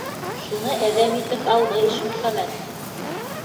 Шуны әҙәм итеп алды Ишмөхәмәт.